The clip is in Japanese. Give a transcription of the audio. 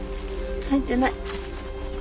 付いてない。